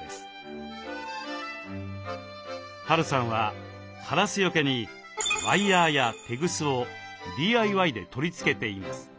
Ｈ・Ａ・Ｒ・ＵさんはカラスよけにワイヤーやテグスをＤＩＹで取り付けています。